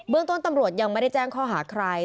เรื่องต้นตำรวจยังไม่ได้แจ้งข้อหาใคร